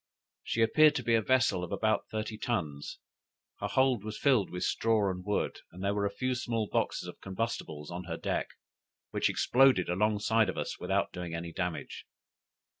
She appeared to be a vessel of about thirty tons; her hold was filled with straw and wood, and there were a few small boxes of combustibles on her deck, which exploded alongside of us without doing any damage.